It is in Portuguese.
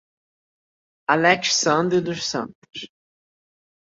Alexsandro dos Santos